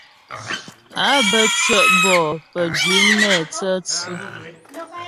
Á bə́ tyɛ' bɔ'ó pə́jwǐ nɛ tsə̌tsʉ.